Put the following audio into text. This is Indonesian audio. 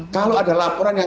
kalau ada laporan yang